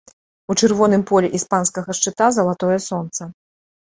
У чырвоным полі іспанскага шчыта залатое сонца.